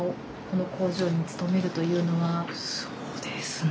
そうですね。